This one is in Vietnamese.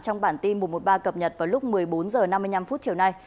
trong bản tin một trăm một mươi ba cập nhật vào lúc một mươi bốn h năm mươi năm chiều nay